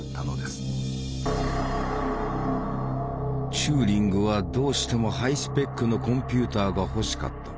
チューリングはどうしてもハイスペックのコンピューターが欲しかった。